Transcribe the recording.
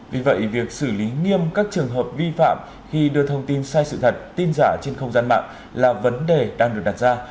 vì vậy việc xử lý nghiêm các trường hợp vi phạm khi đưa thông tin sai sự thật tin giả trên không gian mạng là vấn đề đang được đặt ra